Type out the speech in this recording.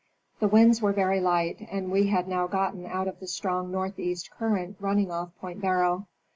The winds were very light and we had now gotton out of the strong northeast current running off Point Barrow.